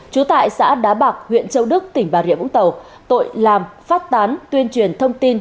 trú tại xã đá bạc huyện châu đức tỉnh bà rịa vũng tàu tội làm phát tán tuyên truyền thông tin